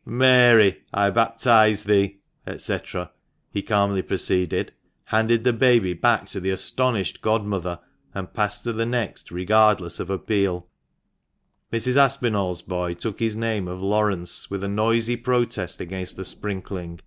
" Mary, I baptise thee," &c., he calmly proceeded, handed the baby back to the astonished godmother, and passed to the next, regardless of appeal. Mrs. Aspinall's boy took his name of Laurence with a noisy protest against the sprinkling.